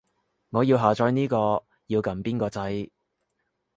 我要下載呢個，要撳邊個掣